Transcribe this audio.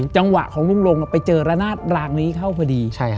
จังหวะของลุงลงไปเจอระนาดรางนี้เข้าพอดี